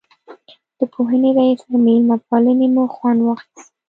د پوهنې رئیس له مېلمه پالنې مو خوند واخیست.